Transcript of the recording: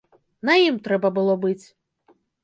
На ім трэба было быць.